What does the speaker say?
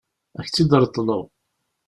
Ad k-tt-id-reḍleɣ.